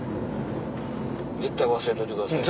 絶対忘れんといてくださいよ。